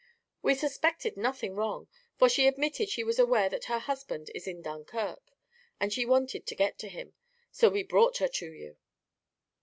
We suspected nothing wrong, for she admitted she was aware that her husband is in Dunkirk, and she wanted to get to him. So we brought her to you."